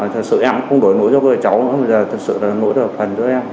thật sự em cũng không đổi nỗi cho mấy cháu nữa bây giờ thật sự nỗi là phần cho em